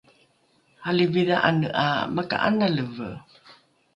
alivi dha’ane ’a maka’analeve